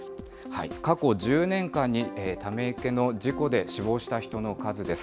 過去１０年間にため池の事故で死亡した人の数です。